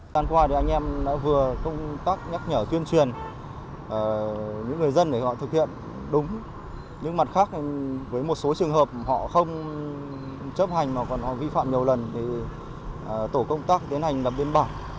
họ không chấp hành mà còn vi phạm nhiều lần tổ công tác tiến hành lập biên bản